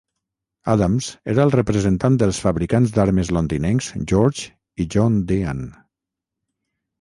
Adams era el representant dels fabricants d'armes londinencs George i John Deane.